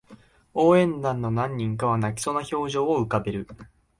応援団の何人かは泣きそうな表情を浮かべる